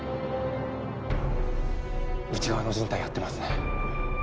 内側のじん帯やってますね。